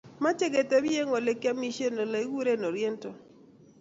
Mechei kotebi eng olegiamishen olegiguree Oriental